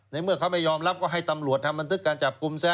เมื่อเขาไม่ยอมรับก็ให้ตำรวจทำบันทึกการจับกลุ่มซะ